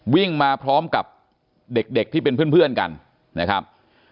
วิ่งมาพร้อมกับเด็กที่เป็นเพื่อนกันนะครับ